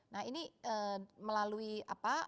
nah ini melalui apa